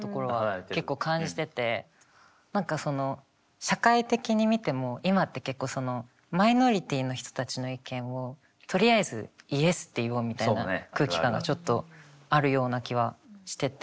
何かその社会的に見ても今って結構マイノリティーの人たちの意見をとりあえず「ＹＥＳ」って言おうみたいな空気感がちょっとあるような気はしてて。